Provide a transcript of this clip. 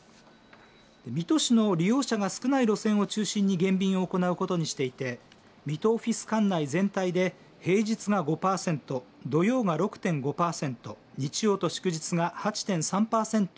水戸市の利用者が少ない路線を中心に減便を行うことにしていて水戸オフィス管内全体で平日が５パーセント土曜が６．５パーセント日曜と祝日が８．３パーセント